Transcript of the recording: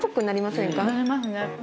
なりますね。